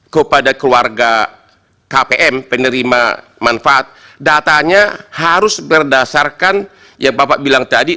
kepada keluarga kpm penerima manfaat datanya harus berdasarkan yang bapak bilang tadi